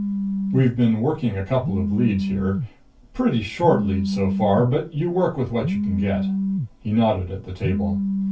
"We've been working a couple of leads here. Pretty short leads so far, but you work with what you can get." He nodded at the table.